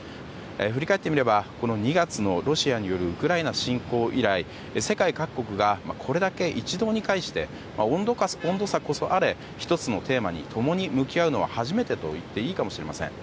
振り返ってみれば、２月のロシアによるウクライナ侵攻以来世界各国がこれだけ一堂に会して温度差こそあれ、１つのテーマに共に向き合うのは初めてといっていいかもしれません。